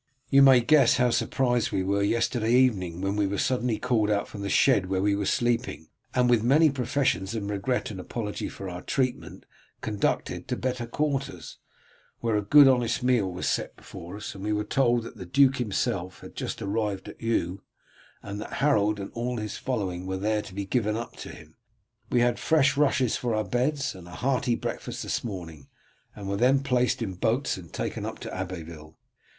You may guess how surprised we were yesterday evening when we were suddenly called out from the shed where we were sleeping, and with many professions of regret and apology for our treatment conducted to better quarters, where a good honest meal was set before us, and we were then told that the duke himself had just arrived at Eu, and that Harold and all his following were there to be given up to him. We had fresh rushes for our beds, and a hearty breakfast this morning, and were then placed in boats and taken up to Abbeville.